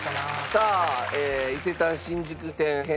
さあ伊勢丹新宿店編。